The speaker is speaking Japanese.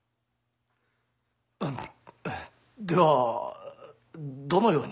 あのではどのように。